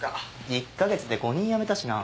１カ月で５人辞めたしな。